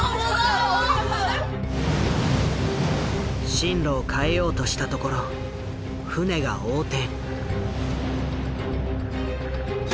進路を変えようとしたところ船が横転。